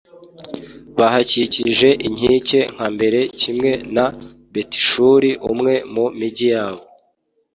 bahakikiza inkike nka mbere, kimwe na betishuri, umwe mu migi yabo